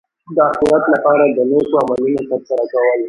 د اخرت لپاره د نېکو عملونو ترسره کول.